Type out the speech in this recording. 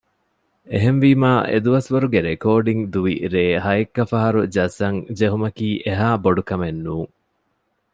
އެހެންވީމާ އެދުވަސްވަރުގެ ރެކޯޑިންގ ދުވި ރޭ ހަޔެއްކަފަހަރު ޖައްސަން ޖެހުމަކީ އެހާ ބޮޑުކަމެއް ނޫން